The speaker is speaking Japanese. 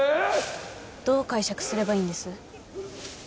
どう解釈すればいいんです？